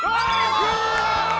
クリア！